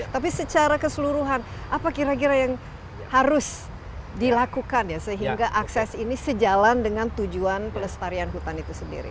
tapi secara keseluruhan apa kira kira yang harus dilakukan ya sehingga akses ini sejalan dengan tujuan pelestarian hutan itu sendiri